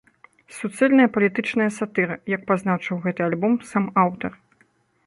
Суцэльная палітычная сатыра, як пазначыў гэты альбом сам аўтар.